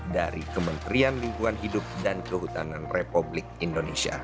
dari kementerian lingkungan hidup dan kehutanan republik indonesia